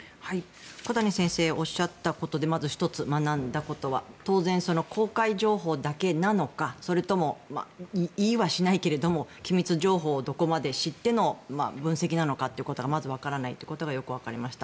小谷先生がおっしゃったことでまず１つ、学んだことは当然、公開情報だけなのかそれとも言いはしないけれども機密情報をどこまで知っての分析なのかということはまず分からないことがよく分かりました。